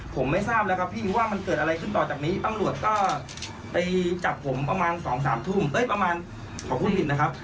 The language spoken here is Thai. ผมไม่ทราบแล้วครับพี่ว่ามันเกิดอะไรขึ้นต่อจากนี้ตำรวจก็ไปจับผมประมาณ๒๓ทุ่มเอ้ยประมาณขอพูดผิดนะครับ